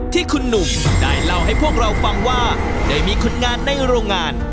ที่คุณหนุ่มได้เล่าให้พวกเราฟังว่าได้มีคนงานในโรงงาน